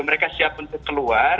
mereka siap untuk keluar